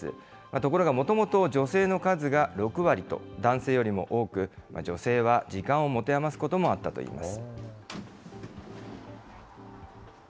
ところがもともと女性の数が６割と男性よりも多く、女性は時間を持て余すこともあったといいます。